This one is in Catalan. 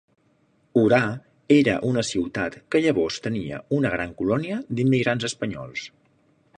Orà era una ciutat que llavors tenia una gran colònia d'immigrants espanyols.